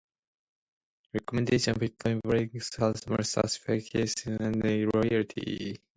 Recommendations for improving customer satisfaction and loyalty